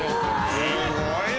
すごいな。